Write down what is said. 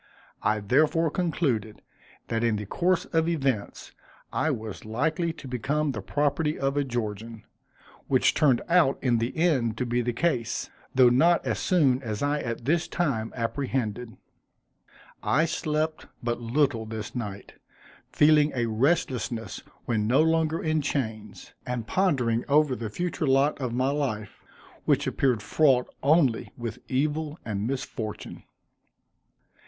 I therefore concluded, that in the course of events, I was likely to become the property of a Georgian, which turned out in the end to be the case, though not so soon as I at this time apprehended. I slept but little this night, feeling a restlessness when no longer in chains; and pondering over the future lot of my life, which appeared fraught only with evil and misfortune.